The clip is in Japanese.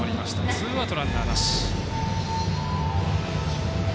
ツーアウト、ランナーなし。